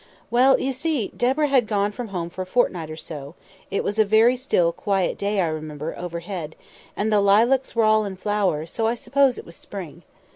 Well, you see, Deborah had gone from home for a fortnight or so; it was a very still, quiet day, I remember, overhead; and the lilacs were all in flower, so I suppose it was spring.